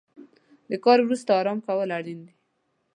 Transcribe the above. د کار وروسته ارام کول اړین دي.